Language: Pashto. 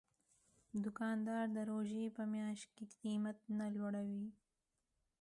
دوکاندار د روژې په میاشت کې قیمت نه لوړوي.